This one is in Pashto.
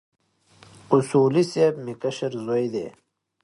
اصولي صیب مې کشر زوی دی.